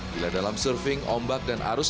bila dalam surfing ombak dan arus